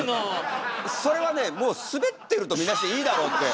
それはねもうスベってるとみなしていいだろうって